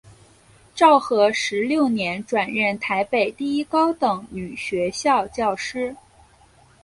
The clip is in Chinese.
昭和十六年转任台北第一高等女学校教师。